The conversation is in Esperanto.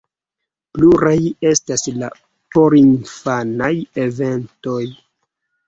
Pluraj estas la porinfanaj eventoj.